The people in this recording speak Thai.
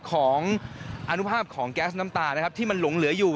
ของอนุภาพของแก๊สน้ำตานะครับที่มันหลงเหลืออยู่